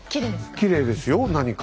きれいですよ何か。